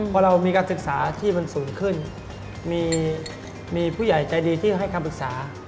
พอเรามีการศึกษาที่มันสูงขึ้นมีผู้ใหญ่ใจดีที่ให้คำปรึกษา